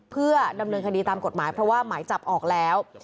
เพื่อดำเนินคดีตามกฎหมายเพราะว่าหมายจับออกแล้ว